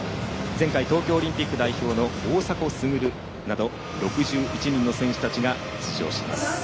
前回、東京オリンピック代表の大迫傑など６１人の選手たちが出場します。